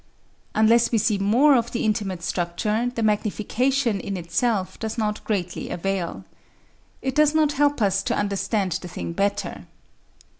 Unless we see more of the intimate structure, the magnification in itself does not greatly avail. It does not help us to understand the thing better.